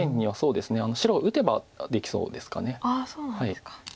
白打てばできそうですか。